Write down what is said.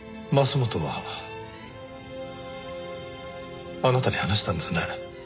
桝本はあなたに話したんですね。